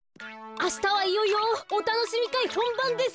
あしたはいよいよおたのしみかいほんばんです。